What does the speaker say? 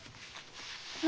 何？